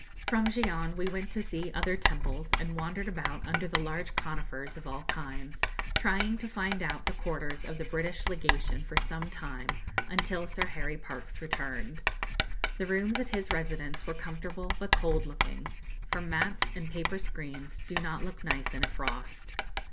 From Gion we went to see other temples, and wandered about under the large conifers of all kinds, trying to find out the quarters of the British Legation for some time, until Sir Harry Parkes returned. The rooms at his residence were comfortable, but cold looking, for mats and paper screens do not look nice in a frost.